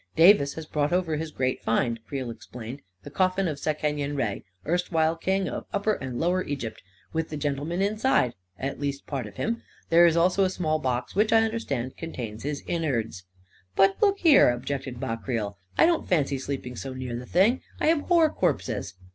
44 Davis has brought over his great find," Creel explained; 44 the coffin of Sekenyen Re, erstwhile A KING IN BABYLON 299 King of Upper and Lower Egypt — with the gentle man inside — at least, part of him ! There is also a small box which, I understand, contains his in nards." " But look here," objected Ma Creel, " I don't fancy sleeping so near the thing. I abhor corpses."